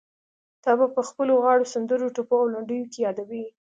تا به په خپلو غاړو، سندرو، ټپو او لنډيو کې يادوي.